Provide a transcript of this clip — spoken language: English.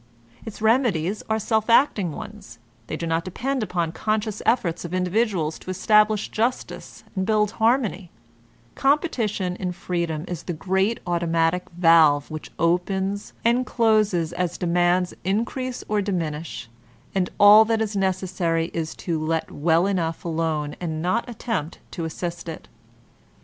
Its remedies are self acting ones; they do not depend upon conscious efforts of individuals to establish justice and build harmony ; competition in freedom is the great auto matic valve which op^n3 or clo8«9 93 demands increase no VOLTAIRINE DE ClEYRE or diminish, and all that is necessary is to let well enough alone and not attempt to assist it.